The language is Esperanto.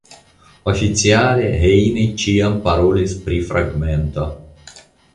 Oficiale Heine ĉiam parolis pri "fragmento".